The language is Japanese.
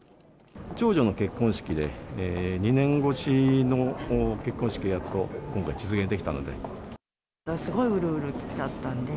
長女の結婚式で、２年越しの結婚式がやっと今回、実現できたので。